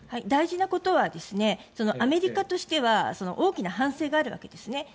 大事なことはアメリカとしては大きな反省があるわけですね。